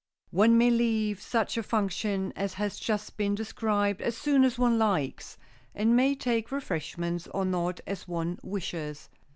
One may leave such a function as has just been described as soon as one likes, and may take refreshments or not as one wishes.